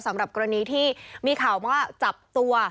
สำหรับกรณีที่มีข่าวว่าจับตัว